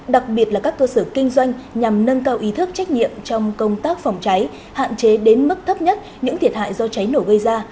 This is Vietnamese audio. đặc biệt là các cơ sở kinh doanh nhằm nâng cao ý thức trách nhiệm trong công tác phòng cháy hạn chế đến mức thấp nhất những thiệt hại do cháy nổ gây ra